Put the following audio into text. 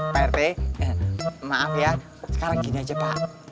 pak rt maaf ya sekarang gini aja pak